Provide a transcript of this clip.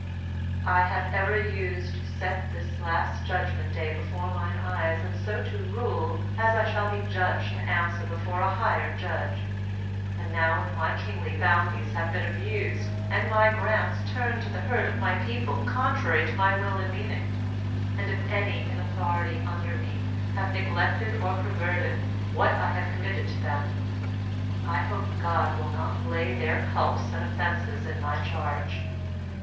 I have ever used to set the Last Judgement Day before mine eyes and so to rule as I shall be judged to answer before a higher judge, and now if my kingly bounties have been abused and my grants turned to the hurt of my people contrary to my will and meaning, and if any in authority under me have neglected or perverted what I have committed to them, I hope God will not lay their culps and offenses in my charge.